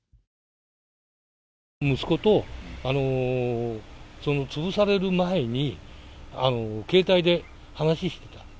息子とその、潰される前に、携帯で話してた。